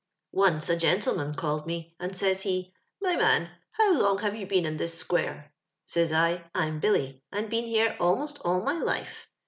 *' Once a gentleman called mo, and saj s he, *My man, how long have you been in iliis square?' Says I, 'I'm Billy, and been here a'most all my life.'